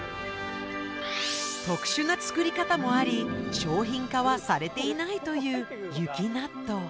特殊な作り方もあり商品化はされていないという雪納豆。